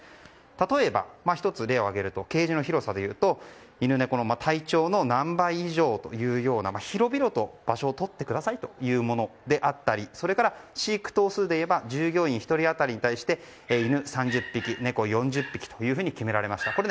例えば、１つ例を挙げるとケージの広さでいうと犬、猫の体長の何倍以上というような広々と場所をとってくださいというものであったりそれから飼育頭数でいえば従業員１人当たり犬３０匹、猫４０匹と決められました。